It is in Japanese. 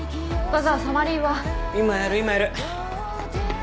今やる今やる。